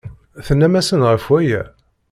Tennam-asen ɣef waya?